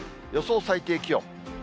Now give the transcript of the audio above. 予想最低気温。